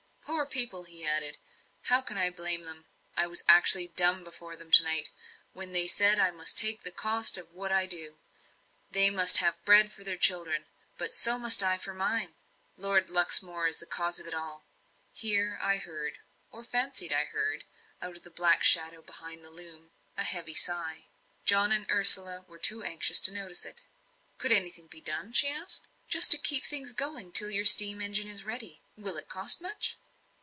"Poor people!" he added, "how can I blame them? I was actually dumb before them to night, when they said I must take the cost of what I do they must have bread for their children. But so must I for mine. Lord Luxmore is the cause of all." Here I heard or fancied I heard out of the black shadow behind the loom, a heavy sigh. John and Ursula were too anxious to notice it. "Could anything be done?" she asked. "Just to keep things going till your steam engine is ready? Will it cost much?"